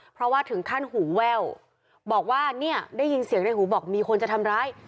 เพราะว่าถึงขั้นหูแว่วบอกว่าเนี่ยได้ยินเสียงในหูบอกมีคนจะทำร้าย